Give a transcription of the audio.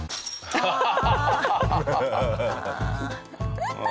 ハハハハ！